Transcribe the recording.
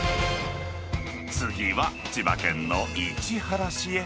次は、千葉県の市原市へ。